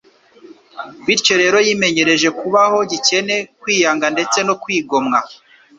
Bityo rero yimenyereje kubaho gikene, kwiyanga ndetse no kwigomwa.